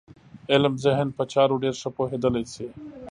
علم ذهن په چارو ډېر ښه پوهېدلی شي.